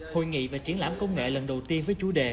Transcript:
hội nghị và triển lãm công nghệ lần đầu tiên với chủ đề